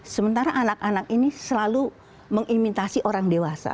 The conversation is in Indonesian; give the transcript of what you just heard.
sementara anak anak ini selalu mengimitasi orang dewasa